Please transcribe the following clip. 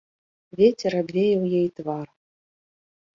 Вецер абвеяў ёй твар.